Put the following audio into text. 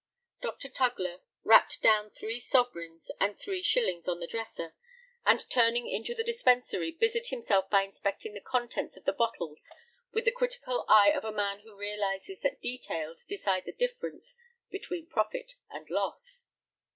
Dr. Tugler rapped down three sovereigns and three shillings on the dresser, and turning into the dispensary, busied himself by inspecting the contents of the bottles with the critical eye of a man who realizes that details decide the difference between profit and loss.